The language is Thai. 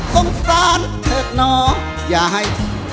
สงสารเถิดน้องอย่าให้